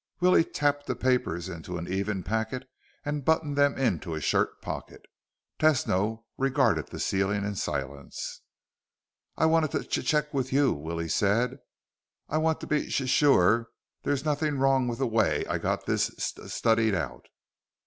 Willie tapped the papers into an even packet and buttoned them into a shirt pocket. Tesno regarded the ceiling in silence. "I wanted to ch check with you," Willie said. "I want to be s sure there's nothing wrong with the way I got this s studied out."